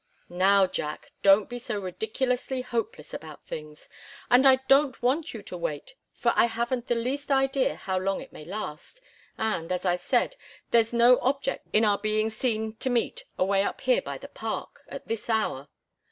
"Now, Jack! Don't be so ridiculously hopeless about things. And I don't want you to wait, for I haven't the least idea how long it may last, and as I said, there's no object in our being seen to meet, away up here by the Park, at this hour.